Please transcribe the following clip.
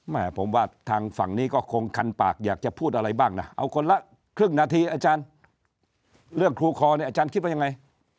แม่ผมว่าทางฝั่งนี้ก็คงคันปากอยากจะพูดอะไรบ้างนะเอาคนละครึ่งนาทีอาจารย์เรื่องครูคอเนี่ยอาจารย์คิดว่ายังไง